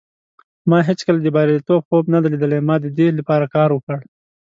ما هیڅکله د بریالیتوب خوب نه دی لیدلی. ما د دې لپاره کار وکړ.